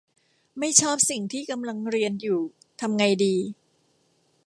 ไม่ชอบสิ่งที่กำลังเรียนอยู่ ทำไงดี